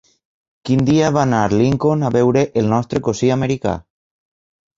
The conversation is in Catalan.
Quin dia va anar Lincoln a veure El nostre cosí americà?